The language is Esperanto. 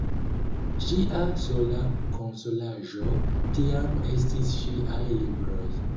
Ŝia sola konsolaĵo tiam estis ŝiaj libroj.